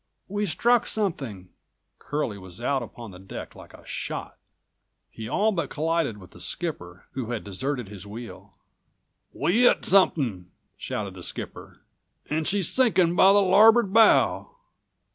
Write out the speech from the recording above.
"We struck something!" Curlie was out upon the deck like a shot. He all but collided with the skipper, who had deserted his wheel. "We 'it somethin'," shouted the skipper, "an' she's sinkin' by the larboard bow.